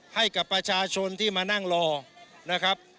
ให้กับประชาชนที่มานั่งรอนะครับ